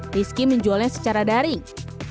rizky menjualnya secara daring